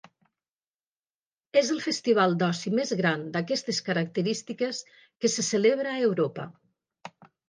És el festival d'oci més gran d'aquestes característiques que se celebra a Europa.